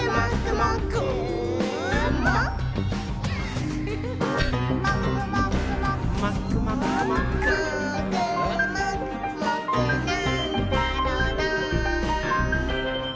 「もーくもくもくなんだろなぁ」